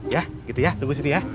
ya gitu ya tunggu sini ya